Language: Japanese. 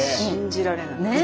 信じられない。